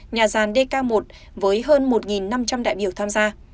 nhà gian dk một với hơn một năm trăm linh đại biểu tham gia